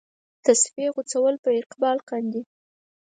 تسپې غوڅول په اقبال کاندي.